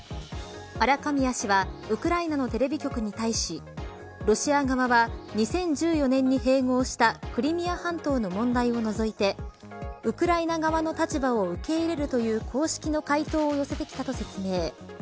アラカミア氏はウクライナのテレビ局に対しロシア側は２０１４年に併合したクリミア半島の問題を除いてウクライナ側の立場を受け入れるという公式の回答を寄せてきたと説明。